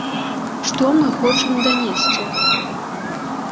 Што мы хочам данесці?!